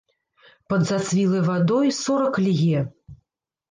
Пад зацвілай вадой сорак лье.